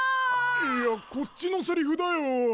いやこっちのセリフだよ。